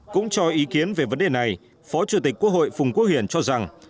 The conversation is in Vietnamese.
cũng cho ý kiến về vấn đề này phó chủ tịch quốc hội phùng quốc hiển cho rằng